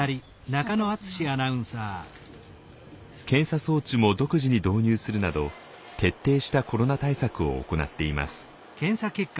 検査装置も独自に導入するなど徹底したコロナ対策を行っています。